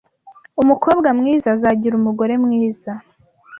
Umukobwa mwiza azagira umugore mwiza.